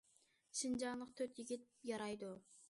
شىنجاڭلىق تۆت يىگىت يارايدۇ!